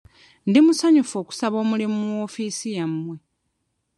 Ndi musanyufu okusaba omulimu mu woofiisi yammwe.